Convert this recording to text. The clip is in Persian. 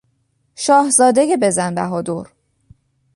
شاهزادهی بزن بهادر